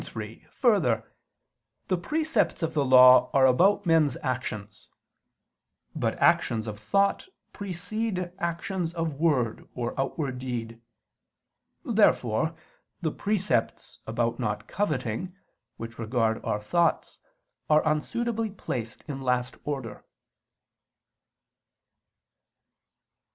3: Further, the precepts of the Law are about men's actions. But actions of thought precede actions of word or outward deed. Therefore the precepts about not coveting, which regard our thoughts, are unsuitably placed last in order.